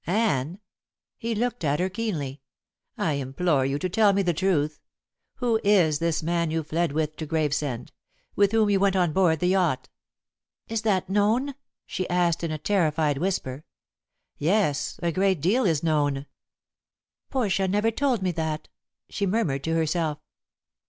"Anne!" he looked at her keenly "I implore you to tell me the truth. Who is this man you fled with to Gravesend with whom you went on board the yacht?" "Is that known?" she asked in a terrified whisper. "Yes. A great deal is known." "Portia never told me that," she murmured to herself.